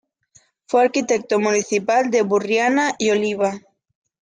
Fue arquitecto municipal de Burriana y Oliva.